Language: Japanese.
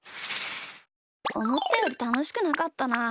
おもったよりたのしくなかったな。